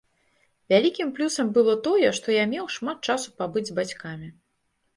Вялікім плюсам было тое, што я меў шмат часу пабыць з бацькамі.